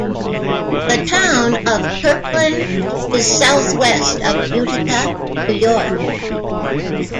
The Town of Kirkland is southwest of Utica, New York.